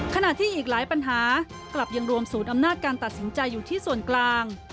ขณะที่อีกหลายปัญหากลับยังรวมศูนย์อำนาจการตัดสินใจอยู่ที่ส่วนกลาง